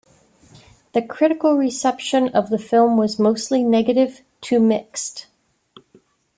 The critical reception of the film was mostly negative to mixed.